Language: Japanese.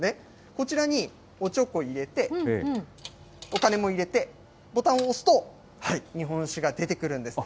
こちらにおちょこ入れて、お金も入れて、ボタンを押すと、日本酒が出てくるんです。